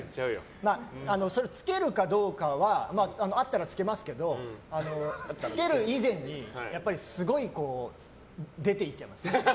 それをつけるかどうかはあったらつけますけどつける以前にすごい出ていっちゃいます。